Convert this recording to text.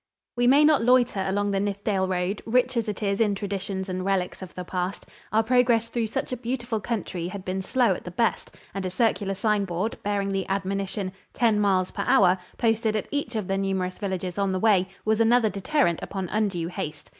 We may not loiter along the Nithdale road, rich as it is in traditions and relics of the past. Our progress through such a beautiful country had been slow at the best, and a circular sign board, bearing the admonition, "Ten Miles Per Hour," posted at each of the numerous villages on the way, was another deterrent upon undue haste.